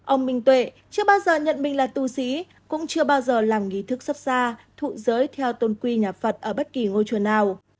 ông minh tuệ chưa bao giờ nhận mình là tu sĩ cũng chưa bao giờ làm nghỉ thức sấp xa thụ giới theo tôn quy nhà phật ở bất kỳ ngôi chùa nào